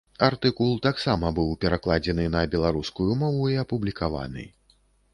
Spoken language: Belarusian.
Артыкул таксама быў перакладзены на беларускую мову і апублікаваны.